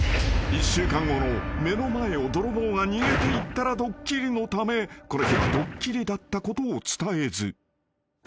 ［１週間後の「目の前を泥棒が逃げていったらドッキリ」のためこの日はドッキリだったことを伝えず］